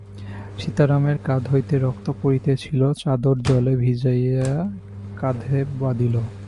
সীতারামের কাঁধ হইতে রক্ত পড়িতেছিল, চাদর জলে ভিজাইয়া কাঁদে বাঁধিল।